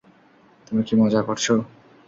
তুমি কি মজা করছো?